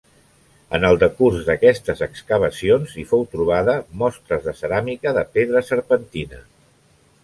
En el decurs d'aquestes excavacions hi fou trobada mostres de ceràmica de pedra serpentina.